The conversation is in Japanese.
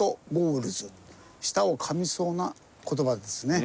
舌をかみそうな言葉ですね。